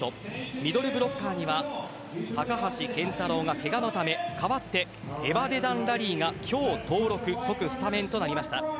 ミドルブロッカーには高橋健太郎がけがのため代わってエバデダン・ラリーが今日登録スタメンとなりました。